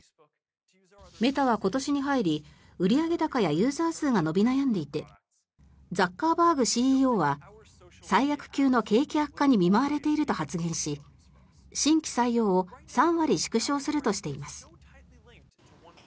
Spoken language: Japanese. メタは今年に入り売上高やユーザー数が伸び悩んでいてザッカーバーグＣＥＯは最悪級の景気悪化に見舞われていると発言し新規採用を３割縮小するとしています。